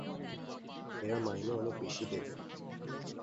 এরা মাইনে অনেক বেশি দেবে।